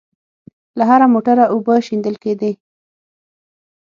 له هره موټره اوبه شېندل کېدې.